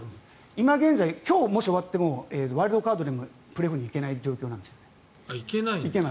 今現在今日もし終わってもワイルドカードでもプレーオフに行けない状況なんです。